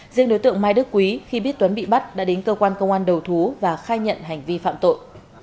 riêng đối tượng mai đức quý khi biết tuấn bị bắt đã đến cơ quan công an đầu thú và khai nhận hành vi phạm tội